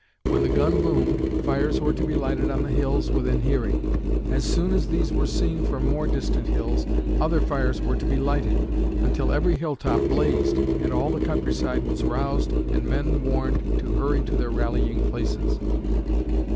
When the gun boomed, fires were to be lighted on the hills within hearing. As soon as these were seen from more distant hills, other fires were to be lighted, until every hilltop blazed and all the countryside was roused and men warned to hurry to their rallying places.